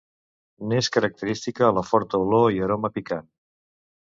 N'és característica la forta olor i aroma picant.